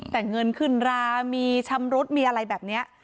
แต่เงินขึ้นรามีชำรุดมีอะไรแบบนี้